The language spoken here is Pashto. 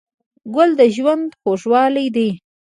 ګل د ژوند خوږوالی دی.